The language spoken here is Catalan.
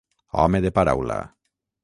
Home de paraula.